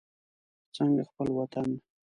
څنګه خپل وطن.